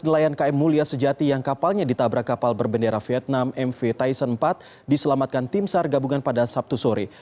delapan puluh nelayan km mulia sejati yang kapalnya ditabrak kapal berbendera vietnam mv tyson empat diselamatkan tim sar gabungan pada sabtu sore